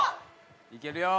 いけるよ！